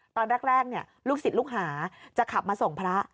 ตอนแรกลูกศิษย์ลูกหาจะขับมาส่งพระ